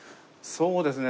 そうですね。